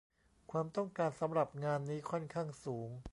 ความต้องการสำหรับงานนี้ค่อนข้างสูง